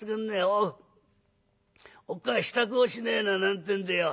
おうおっかあ支度をしねえな』なんてんでよ」。